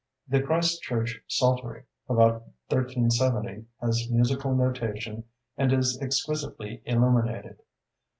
The Christ Church Psaltery, about 1370, has musical notation and is exquisitely illuminated.